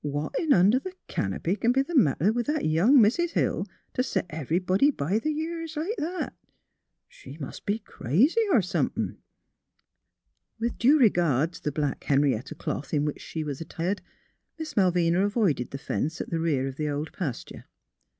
" What in under the canopy c'n be the matter with young Mis' Hill t' set everybody b' th' years like that? She mus' be crazy, er somethin'." With due regard to the black Henrietta cloth in which she was attired, Miss Malvina avoided the fence at the rear of the old pasture.